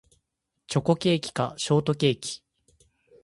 チョコケーキかショートケーキ